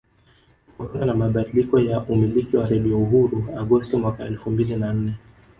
Kutokana na mabadiliko ya umiliki wa Radio Uhuru Agosti mwaka elfu mbili na nne